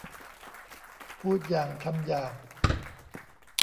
พูดอย่างทำอย่าง